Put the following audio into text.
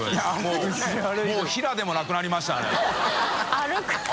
歩く。